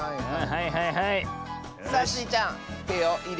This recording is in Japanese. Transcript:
はいはいはい。